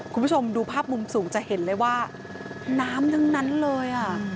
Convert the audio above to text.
คุณผู้ชมดูภาพมุมสูงจะเห็นเลยว่าน้ำทั้งนั้นเลยอ่ะ